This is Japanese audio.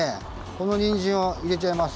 このにんじんをいれちゃいます。